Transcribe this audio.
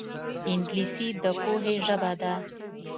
انګلیسي د پوهې ژبه ده